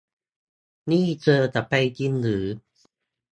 นี่เธอจะไปจริงหรือ